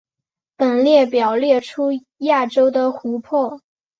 本列表列出亚洲的湖泊。